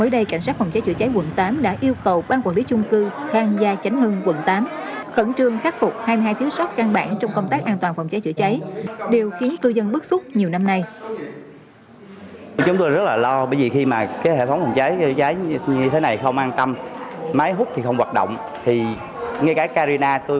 đăng ký kênh để ủng hộ kênh của chúng mình nhé